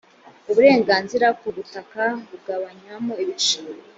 uburenganzira ku butaka bugabanywamo ibice